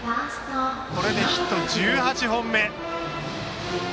これでヒットは１８本目。